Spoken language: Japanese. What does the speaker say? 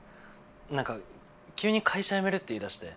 何か急に会社辞めるって言いだして。